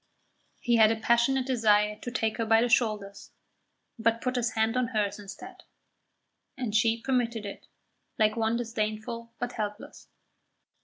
He had a passionate desire to take her by the shoulders, but put his hand on hers instead, and she permitted it, like one disdainful but helpless.